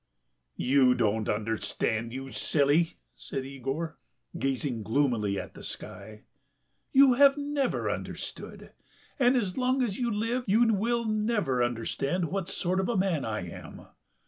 "You don't understand, you silly," said Yegor, gazing gloomily at the sky. "You have never understood, and as long as you live you will never understand what sort of man I am....